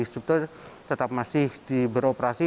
struktur tetap masih diberoperasi